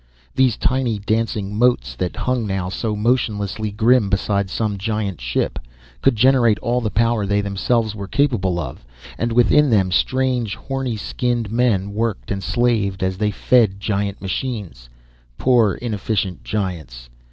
These tiny dancing motes, that hung now so motionlessly grim beside some giant ship, could generate all the power they themselves were capable of, and within them strange, horny skinned men worked and slaved, as they fed giant machines poor inefficient giants.